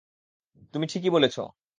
তুমি ঠিকই বলছো।